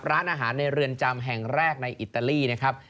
ร้านอาหารในเรือนจำแห่งแรกในอิตาลีนะครับ